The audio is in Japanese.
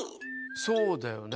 そうだよね。